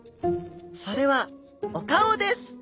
それはお顔です